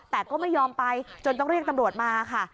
แต่ก็ไม่ยอมไปจนต้องเรียกตำรวจมาค่ะ